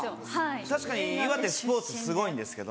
確かに岩手スポーツすごいんですけども。